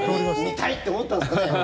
見たいって思ったんですね。